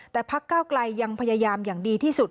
แต่พักเก้าไกลยังพยายามอย่างดีที่สุด